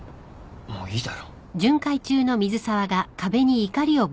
もういいだろ。